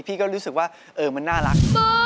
พี่ก็รู้สึกว่ามันน่ารัก